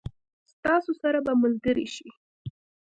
ستاسو سره به ملګري شي.